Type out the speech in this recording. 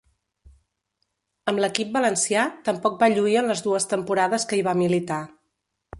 Amb l'equip valencià tampoc va lluir en les dues temporades que hi va militar.